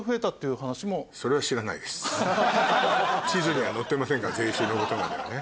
地図には載ってませんから税収のことまではね。